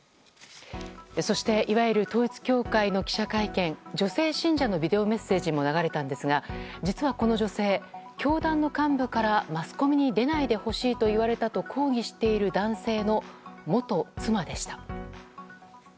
そして、いわゆる統一教会の記者会見女性信者のビデオメッセージも流れたんですが実は、この女性教団の幹部から、マスコミに出ないでほしいと言われたと抗議している男性の元妻でした。